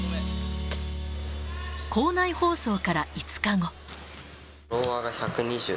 校内放送から５日後。